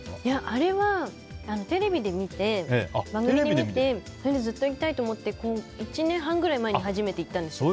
あれは、テレビで見てずっと行きたいと思って１年半くらい前に初めて行ったんですよ。